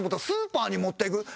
スーパーに持っていく。